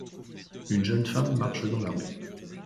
Une jeune femme marche dans la rue.